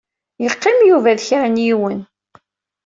Yeqqim Yuba d kra n yiwen.